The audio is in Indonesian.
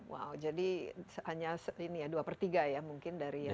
wow jadi hanya ini ya dua per tiga ya mungkin dari yang